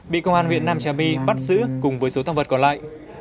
bị công an huyện nam trà my bắt giữ cùng với số tăng vật còn lại